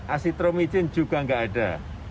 asitromycin juga gak ada